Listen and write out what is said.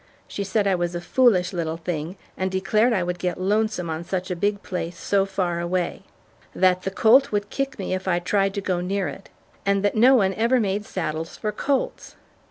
She said I was a foolish little thing, and declared I would get lonesome on such a big place so far away; that the colt would kick me if I tried to go near it, and that no one ever made saddles for colts.